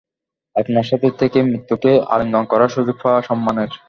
আপনার সাথে থেকে মৃত্যুকে আলিঙ্গন করার সুযোগ পাওয়া সম্মানের।